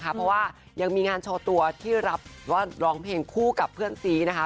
เพราะว่ายังมีงานโชว์ตัวที่รับว่าร้องเพลงคู่กับเพื่อนซีนะคะ